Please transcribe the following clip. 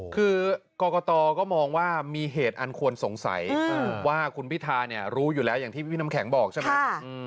คือกรกตก็มองว่ามีเหตุอันควรสงสัยว่าคุณพิธาเนี่ยรู้อยู่แล้วอย่างที่พี่น้ำแข็งบอกใช่ไหม